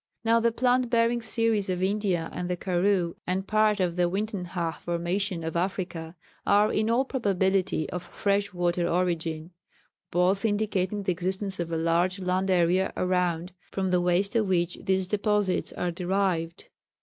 Now the plant bearing series of India and the Karoo and part of the Uitenhage formation of Africa are in all probability of fresh water origin, both indicating the existence of a large land area around, from the waste of which these deposits are derived.